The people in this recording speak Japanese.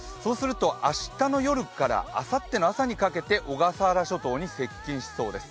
明日の夜からあさっての朝にかけて小笠原諸島に接近しそうです。